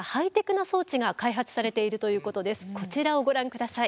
こちらをご覧下さい。